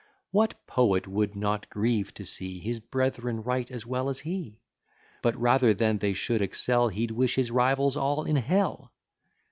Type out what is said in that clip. What poet would not grieve to see His breth'ren write as well as he? But rather than they should excel, He'd wish his rivals all in hell.